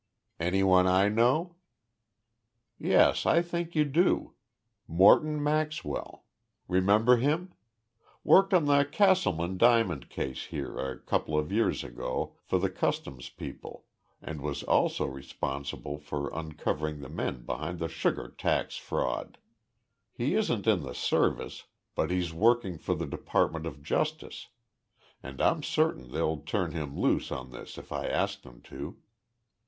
"Anyone I know?" "Yes, I think you do Morton Maxwell. Remember him? Worked on the Castleman diamond case here a couple of years ago for the customs people and was also responsible for uncovering the men behind the sugar tax fraud. He isn't in the Service, but he's working for the Department of Justice, and I'm certain they'll turn him loose on this if I ask them to.